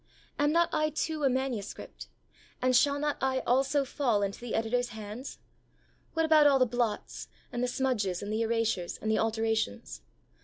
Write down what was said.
Am not I too a manuscript, and shall I not also fall into the Editor's hands? What about all the blots, and the smudges, and the erasures, and the alterations?